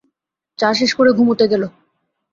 চা শেষ করে ঘুমুতে গেল।